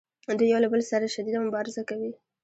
دوی یو له بل سره شدیده مبارزه کوي